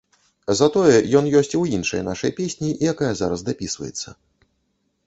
Затое ён ёсць у іншай нашай песні, якая зараз дапісваецца.